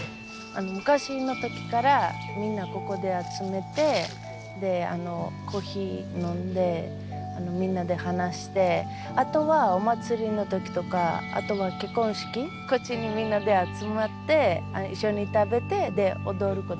昔の時からみんなここで集めてコーヒー飲んでみんなで話してあとはお祭りの時とかあとは結婚式こっちにみんなで集まって一緒に食べて踊ること。